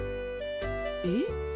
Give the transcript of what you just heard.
えっ？